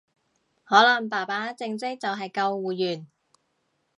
可能爸爸正職就係救護員